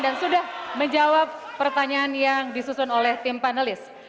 dan sudah menjawab pertanyaan yang disusun oleh tim panelis